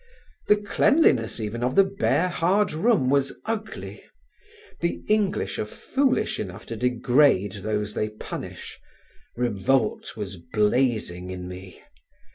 The cleanliness even of the bare hard room was ugly; the English are foolish enough to degrade those they punish. Revolt was blazing in me.